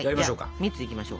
蜜いきましょう。